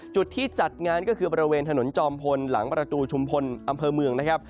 จุดที่จัดงานก็คือบริเวณถนนจอมพลหลังประตูชุมพลอำเภอเมืองนะครับ